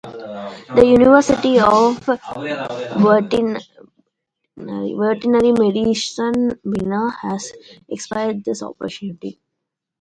The University of Veterinary Medicine Vienna has expedited this opportunities.